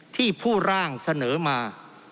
ที่ผู้ร่างเสนอมา